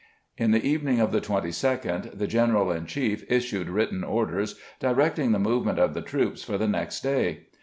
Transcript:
In the evening of the 22d the general in chief issued written orders directing the movement of the troops for the next day.